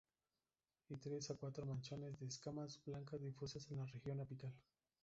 Y tres a cuatro manchones de escamas blancas difusas en la región apical.